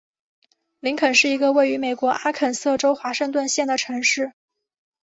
林肯是一个位于美国阿肯色州华盛顿县的城市。